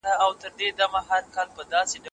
هغه کس چې مقابله کوي، تل ژوندی وي.